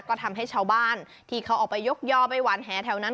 ก็ทำให้ชาวบ้านที่เขาออกไปยกย่อไปหวานแหแถวนั้น